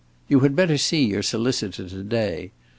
You had better see your solicitor to day.